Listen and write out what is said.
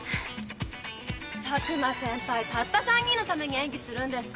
佐久間先輩たった三人のために演技するんですか？